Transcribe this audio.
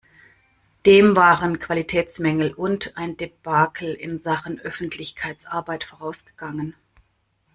Dem waren Qualitätsmängel und ein Debakel in Sachen Öffentlichkeitsarbeit vorausgegangen.